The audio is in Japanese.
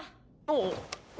あっ。